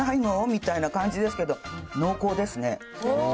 みたいな感じですけど、濃厚ですね。